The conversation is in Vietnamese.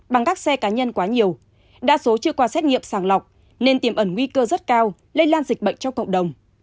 bằng các xe cá nhân quá nhiều đa số chưa qua xét nghiệm sàng lọc nên tiềm ẩn nguy cơ rất cao lây lan dịch bệnh trong cộng đồng